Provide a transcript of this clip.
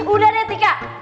udah deh tika